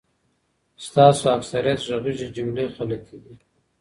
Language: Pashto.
ستاسو اکثریت غږیز جملی خلطی دی